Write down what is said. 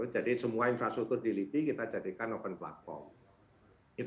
jadi semua infrastruktur di libby kita jadikan open platform